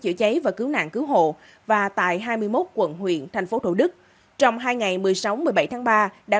chữa cháy và cứu nạn cứu hộ và tại hai mươi một quận huyện thành phố thủ đức trong hai ngày một mươi sáu một mươi bảy tháng ba đã